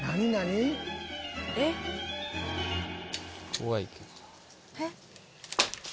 怖いけど。